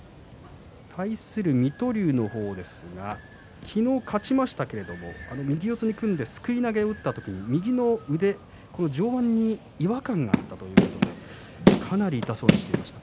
対する水戸龍は昨日、勝ちましたけれど右四つに組んですくい投げを打った時に右の腕、上腕に違和感があったということでかなり痛そうにしていました。